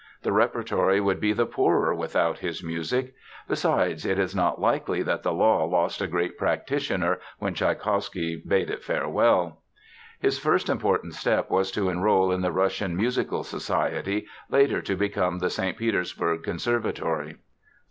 The repertory would be the poorer without his music. Besides, it is not likely that the law lost a great practitioner when Tschaikowsky bade it farewell. His first important step was to enroll in the Russian Musical Society, later to become the St. Petersburg Conservatory.